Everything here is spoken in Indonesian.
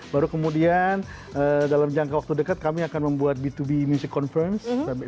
baru kemudian dalam jangka waktu dekat kami akan membuat b dua b music conference